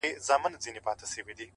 هوښیار انسان احساسات اداره کوي